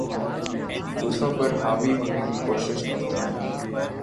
دوسروں پر حاوی ہونے کی کوشش کرتا ہوں